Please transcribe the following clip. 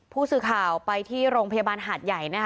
ผู้สื่อข่าวไปที่โรงพยาบาลหาดใหญ่นะคะ